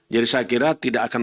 jadi saya kira tidak akan